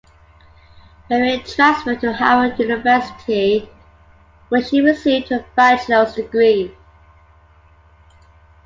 Berry transferred to Howard University, where she received her bachelor's degree.